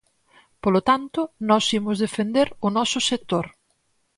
Polo tanto, nós imos defender o noso sector.